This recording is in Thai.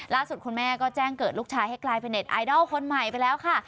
คุณแม่ก็แจ้งเกิดลูกชายให้กลายเป็นเน็ตไอดอลคนใหม่ไปแล้วค่ะ